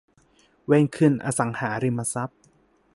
เวนคืนอสังหาริมทรัพย์